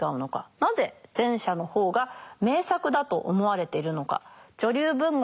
なぜ前者の方が名作だと思われているのか。